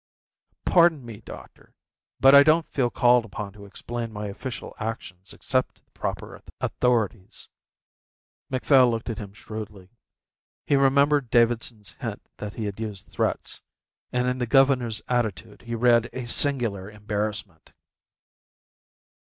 "Pardon me, doctor, but I don't feel called upon to explain my official actions except to the proper authorities." Macphail looked at him shrewdly. He remembered Davidson's hint that he had used threats, and in the governor's attitude he read a singular embarrassment.